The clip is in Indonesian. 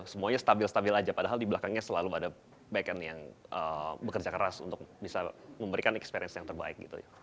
semuanya stabil stabil aja padahal di belakangnya selalu ada backen yang bekerja keras untuk bisa memberikan experience yang terbaik gitu ya